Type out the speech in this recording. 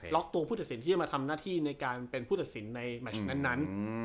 ตัวผู้ตัดสินที่จะมาทำหน้าที่ในการเป็นผู้ตัดสินในแมชนั้น